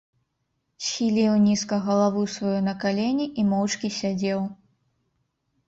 Схіліў нізка галаву сваю на калені і моўчкі сядзеў.